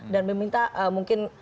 dan meminta mungkin